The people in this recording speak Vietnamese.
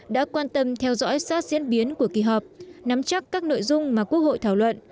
đã quan tâm theo dõi sát diễn biến của kỳ họp nắm chắc các nội dung mà quốc hội thảo luận